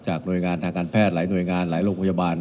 หน่วยงานทางการแพทย์หลายหน่วยงานหลายโรงพยาบาล